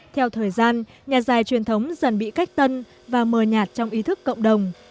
theo thời gian nhà dài truyền thống dần bị cách tân và mờ nhạt trong ý thức cộng đồng